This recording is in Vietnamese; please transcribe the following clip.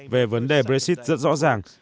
về vấn đề brexit rất rõ ràng